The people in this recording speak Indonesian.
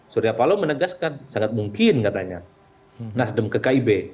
suryapalo menegaskan sangat mungkin katanya nasdem ke kib